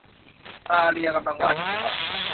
ดาเลียกำลังวาดอยู่ในห้อง